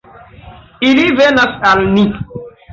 Ili venas al ni.